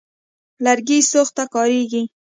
لرګي سوخت ته کارېږي.